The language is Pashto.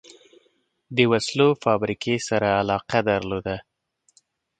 د وسلو فابریکې سره علاقه درلوده.